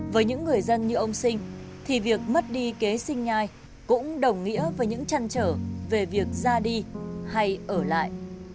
với những người dân như ông sinh thì việc mất đi kế sinh nhai cũng đồng nghĩa với những trăn trở về việc ra đi hay ở lại